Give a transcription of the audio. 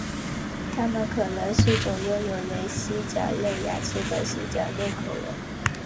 它们可能是种拥有原蜥脚类牙齿的蜥脚类恐龙。